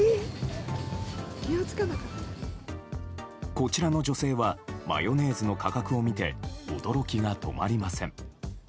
こちらの女性はマヨネーズの価格を見て驚きが止まりません。